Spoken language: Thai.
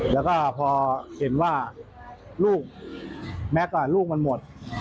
แล้วก็พอเห็นว่าลูกแม็กซ์ลูกมันหมด